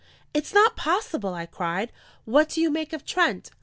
"It's not possible!" I cried. "What do you make of Trent?"